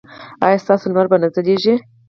ایا ستاسو لمر به نه ځلیږي؟